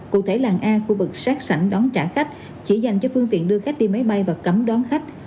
cụ thể làng an khu vực sát sảnh đón trả khách chỉ dành cho phương tiện đưa khách đi máy bay và cấm đón khách